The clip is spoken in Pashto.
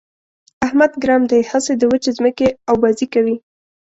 احمد ګرم دی؛ هسې د وچې ځمکې اوبازي کوي.